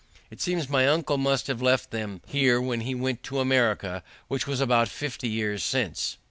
It seems my uncle must have left them here when he went to America, which was about fifty years since.